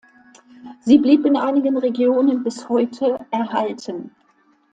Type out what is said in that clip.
Sie blieb in einigen Regionen bis heute erhalten.